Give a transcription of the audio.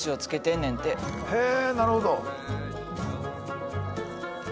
へえなるほど。